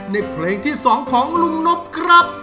ในเพลงที่๒ของลุงนบครับ